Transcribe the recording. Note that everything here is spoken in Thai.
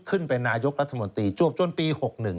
ขึ้นเป็นนายกรัฐมนตรีจวบจนปี๖๑